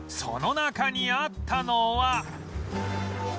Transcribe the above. その中にあったのは